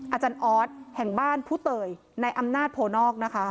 อาจารย์ออสแห่งบ้านผู้เตยในอำนาจโพนอกนะคะ